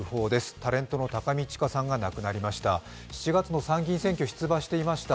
タレントの高見知佳さんが亡くなりました。